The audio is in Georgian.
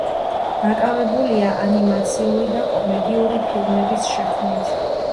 დაკავებულია ანიმაციური და კომედიური ფილმების შექმნით.